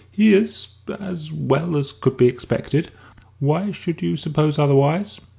"He is as well as could be expected. Why should you suppose otherwise?"